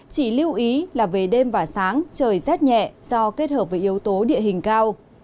chỉ lưu ý là về đêm và sáng trời rét nhẹ do kết hợp với yếu tố địa hình cao